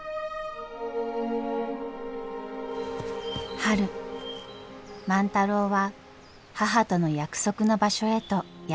春万太郎は母との約束の場所へとやって来ました。